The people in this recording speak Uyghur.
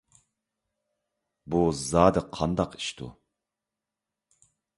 بۇ زادى قانداق ئىشتۇ؟